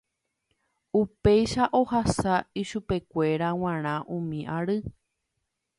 Upéicha ohasa ichupekuéra g̃uarã umi ary.